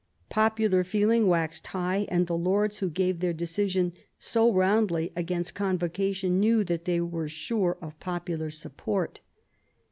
Popular feeling waxed high, and the lords who gave their decision so roundly against Convocation knew that they were sure of popular support.